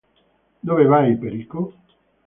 Dove vai, Perico?